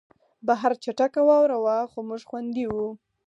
بهر چټکه واوره وه خو موږ خوندي وو